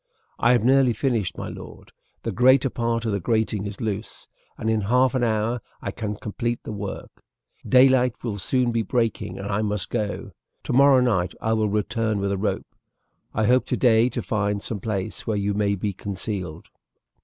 "I have nearly finished, my lord, the greater part of the grating is loose, and in half an hour I can complete the work. Daylight will soon be breaking and I must go. Tomorrow night I will return with a rope. I hope today to find some place where you may be concealed."